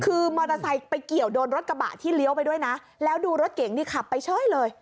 คือมอเตอร์ไซค์ไปเกี่ยวโดนรถกระบะที่เลี้ยวไปด้วยนะแล้วดูรถเก่งนี่ขับไปเฉยเลย